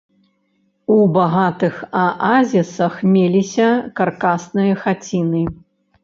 У багатых аазісах меліся каркасныя хаціны.